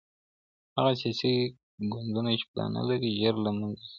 هغه سياسي ګوندونه چي پلان نه لري ژر له منځه ځي.